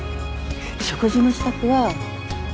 食事の支度は。